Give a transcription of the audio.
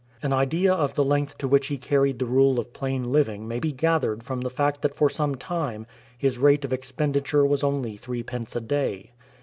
'"* An idea of the length to which he carried the rule of plain living may be gathered from the fact that for some time his rate of expenditure was only threepence a day.